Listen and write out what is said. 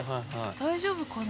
大丈夫かな？